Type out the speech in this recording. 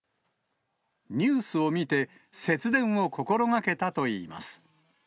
ニュースを見て、節電を心がけたといいます。